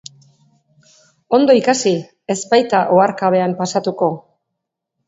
Ondo ikasi, ez baita oharkabean pasatuko.